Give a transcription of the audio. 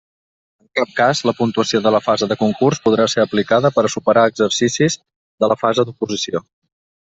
En cap cas la puntuació de la fase de concurs podrà ser aplicada per a superar exercicis de la fase d'oposició.